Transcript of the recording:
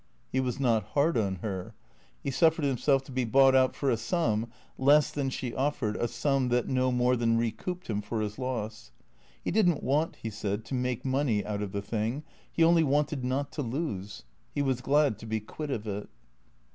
He was not hard on her. He suf fered himself to be bought out for a sum less than she offered a sum that no more than recouped him for his losses. He did n't want, he said, to make money out of the thing, he only wanted not to lose. He was glad to be quit of it.